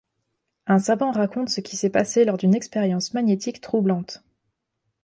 Un savant raconte ce qui s'est passé lors d'une expérience magnétique troublante.